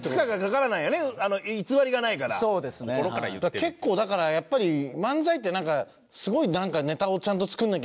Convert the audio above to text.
結構だからやっぱり漫才ってなんかすごいネタをちゃんと作らなきゃいけないとか